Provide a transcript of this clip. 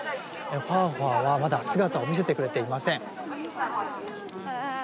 ファーファーはまだ姿を見せてくれていません。